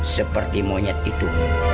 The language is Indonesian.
seperti monyet itu